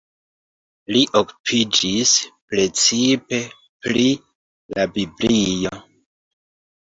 Li okupiĝis precipe pri la Biblio.